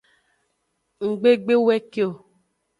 Ngbe gbe we ke o.